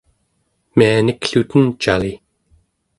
mianikluten cali!